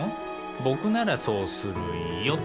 僕ならそうするよっと。